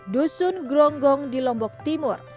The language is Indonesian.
dusun gronggong di lombok timur